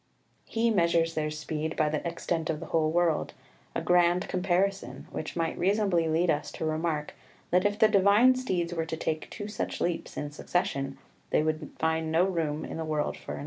He measures their speed by the extent of the whole world a grand comparison, which might reasonably lead us to remark that if the divine steeds were to take two such leaps in succession, they would find no room in the world for another.